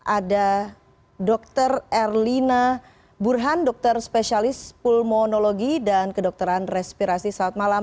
ada dr erlina burhan dokter spesialis pulmonologi dan kedokteran respirasi saat malam